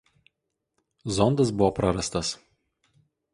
Zondas buvo prarastas.